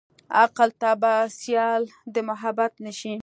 عقله ته به سيال د محبت نه شې.